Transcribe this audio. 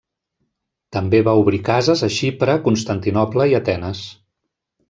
També va obrir cases a Xipre, Constantinoble i Atenes.